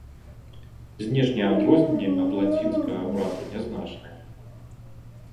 Знешнія адрозненні ад лацінскага абраду нязначныя.